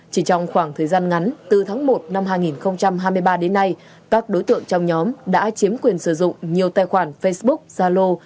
chỉ trong khoảng thời gian ngắn từ tháng một năm hai nghìn hai mươi ba đến nay các đối tượng trong nhóm đã chiếm quyền sử dụng nhiều tài khoản facebook zalo